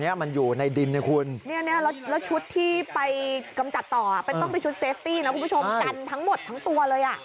เป็นต้องไปชุดเซฟตี้นะคุณผู้ชมกันทั้งหมดทั้งตัวเลยอ่ะ